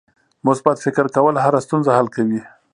مثبت فکر کول هره ستونزه حل کوي.